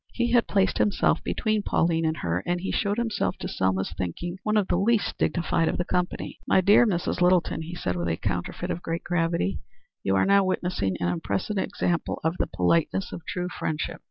He had placed himself between Pauline and her, and he showed himself, to Selma's thinking, one of the least dignified of the company. "My dear Mrs. Littleton," he said, with a counterfeit of great gravity, "you are now witnessing an impressive example of the politeness of true friendship.